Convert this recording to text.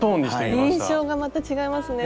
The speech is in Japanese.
印象がまた違いますね。